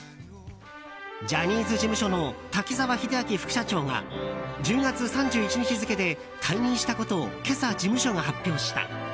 ジャニーズ事務所の滝沢秀明副社長が１０月３１日付で退任したことを今朝、事務所が発表した。